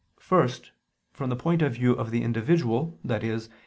First, from the point of view of the individual, i.e.